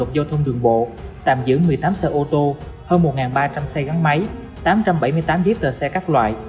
tạm giữ một mươi tám xe ô tô hơn một ba trăm linh xe gắn máy tám trăm bảy mươi tám viết tờ xe các loại